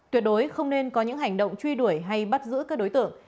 tuyệt đối không nên có những hành động truy đuổi hay bắt giữ các đối tượng